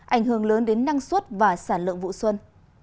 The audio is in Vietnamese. ảnh hưởng lớn đến năng suất và sản lượng vụ xuân